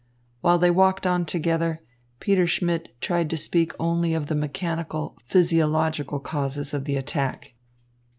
While they walked on together, Peter Schmidt tried to speak only of the mechanical, physiological causes of the attack.